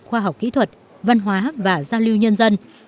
khoa học kỹ thuật văn hóa và giao lưu nhân dân